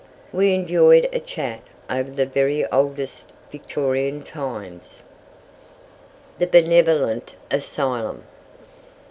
We enjoyed a chat over the very oldest Victorian times. THE BENEVOLENT ASYLUM.